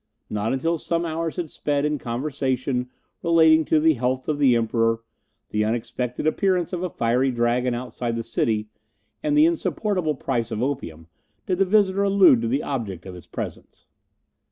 Not until some hours had sped in conversation relating to the health of the Emperor, the unexpected appearance of a fiery dragon outside the city, and the insupportable price of opium, did the visitor allude to the object of his presence.